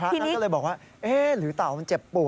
ท่านก็เลยบอกว่าเอ๊ะหรือเต่ามันเจ็บปวด